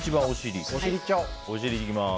お尻、いきます。